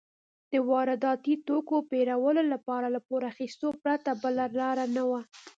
د وارداتي توکو پېرلو لپاره له پور اخیستو پرته بله لار نه وه.